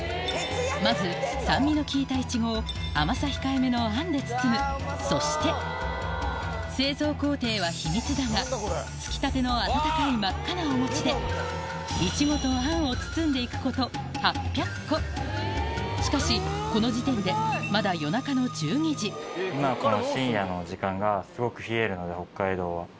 まず酸味の利いたいちごを甘さ控えめのあんで包むそして製造工程は秘密だがつきたての温かい真っ赤なお餅でいちごとあんを包んでいくことしかしこの時点でまだ今この。